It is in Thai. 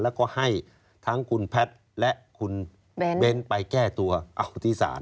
แล้วก็ให้ทั้งคุณแพทย์และคุณเบ้นไปแก้ตัวเอาที่ศาล